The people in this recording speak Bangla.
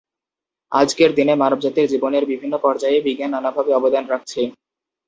আজকের দিনে মানবজাতির জীবনের বিভিন্ন পর্যায়ে বিজ্ঞান নানাভাবে অবদান রাখছে।